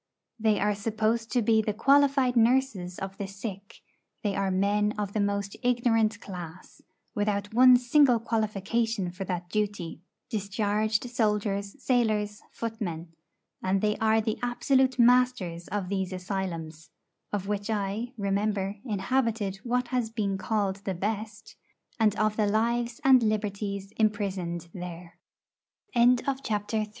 They are supposed to be the qualified nurses of the sick; they are men of the most ignorant class, without one single qualification for that duty discharged soldiers, sailors, footmen. And they are the absolute masters of these asylums (of which I, remember, inhabited what has been called the best), and of the lives and liberties imprisoned there. IV. My first acquaint